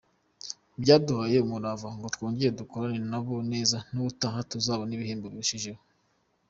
Byaduhaye umurava ngo twongere dukorane na bo neza n’ubutaha tuzabone ibihembo birushijeho.